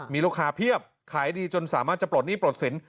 มีลูกค้าเพียบขายดีจนสามารถจะปลดหนี้ปลดสิน